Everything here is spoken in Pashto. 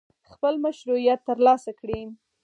خپل مشروعیت ترلاسه کړي.